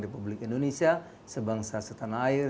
republik indonesia sebangsa setanah air